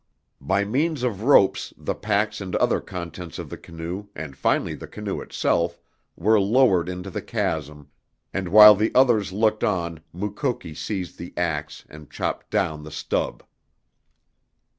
By means of ropes the packs and other contents of the canoe, and finally the canoe itself, were lowered into the chasm, and while the others looked on Mukoki seized the ax and chopped down the stub.